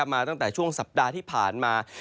มาตั้งแต่ช่วงสัปดาห์ที่ผ่านมา